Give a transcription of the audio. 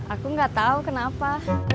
aku nggak tahu kenapa